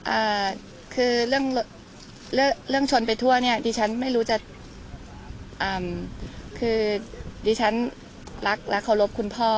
อ่าคือเรื่องเรื่องชนไปทั่วเนี้ยดิฉันไม่รู้จะอ่าคือดิฉันรักและเคารพคุณพ่อ